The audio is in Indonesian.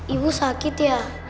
ibu sakit ya